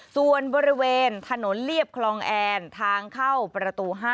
ส่วนบริเวณถนนเรียบคลองแอนทางเข้าประตู๕